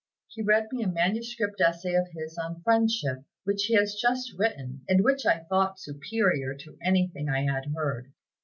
He read me a manuscript essay of his on 'Friendship,' which he has just written, and which I thought superior to anything I had heard."